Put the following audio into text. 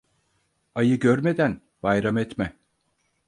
Ayı görmeden bayram etme.